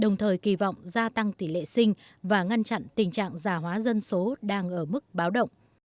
đồng thời kỳ vọng gia tăng tỷ lệ sinh và ngăn chặn tình trạng già hóa dân số đang ở mức báo động